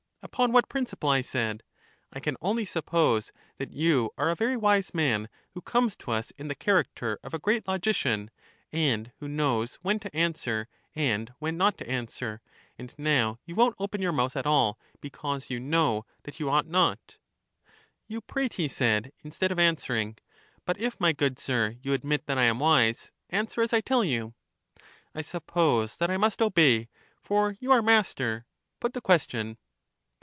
Upon what principle? I said. I can only suppose that you are a very wise man, who comes to us in the character of a great logician, and who knows when to EUTHYDEMUS 245 answer and when not to answer — and now you won't open your mouth at all, because you know that you ought not. You prate, he said, instead of answering. But if, my good sir, you admit that I am wise, answer as I tell you. I suppose that I must obey, for you are master. Put the question.